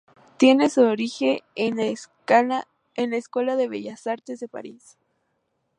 Tiene su origen en la "Escuela de Bellas Artes" de París.